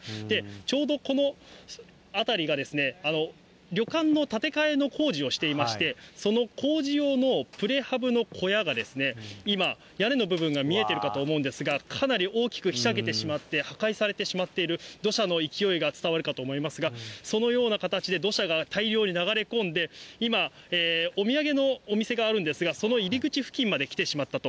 ちょうどこの辺りが旅館の建て替えの工事をしてまして、その工事用のプレハブの小屋が今、屋根の部分が見えてるかと思うんですが、かなり大きくひしゃげてしまっていて、破壊されてしまっている、土砂の勢いが伝わるかと思いますが、そのような形で土砂が大量に流れ込んで、今、お土産のお店があるんですが、その入り口付近まで来てしまったと。